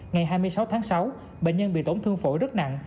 ngày hai mươi sáu tháng sáu bệnh nhân bị tổn thương phổi rất nặng